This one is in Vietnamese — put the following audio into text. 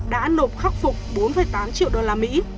đã nộp khắc phục bốn tám triệu đô la mỹ